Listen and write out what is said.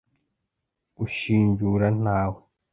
ushinjura ntawe